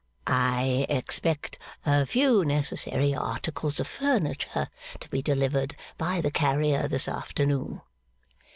'I expect a few necessary articles of furniture to be delivered by the carrier, this afternoon.